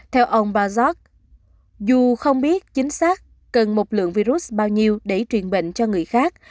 theo ông bart dù không biết chính xác cần một lượng virus bao nhiêu để truyền bệnh cho người khác